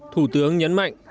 thủ tướng nhấn mạnh